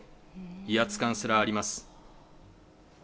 威圧感すらあります。